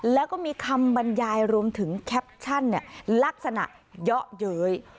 แล้วก็มีคำบรรยายรวมถึงแคปชั่นลักษณะเยาะเย้ย